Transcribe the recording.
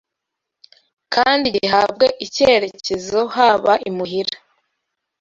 kandi gihabwe icyerekezo Haba imuhira